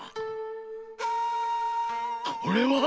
これは！